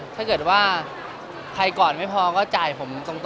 ถ้าเกิดว่าใครก่อนไม่พอก็จ่ายผมตรง